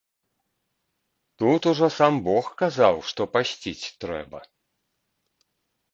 Тут ужо сам бог казаў, што пасціць трэба.